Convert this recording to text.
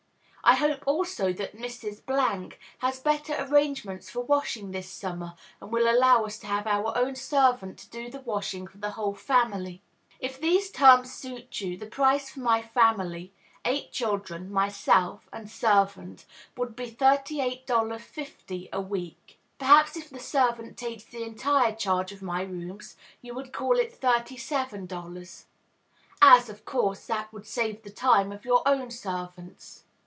I hope, also, that Mrs. has better arrangements for washing this summer, and will allow us to have our own servant to do the washing for the whole family. If these terms suit you, the price for my family eight children, myself, and servant would be $38.50 a week. Perhaps, if the servant takes the entire charge of my rooms, you would call it $37; as, of course, that would save the time of your own servants."